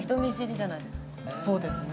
そうですね。